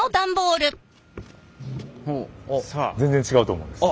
全然違うと思うんです。